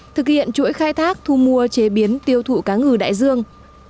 thực hiện chuỗi khai thác thu mua chế biến tiêu thụ cá ngừ đại dương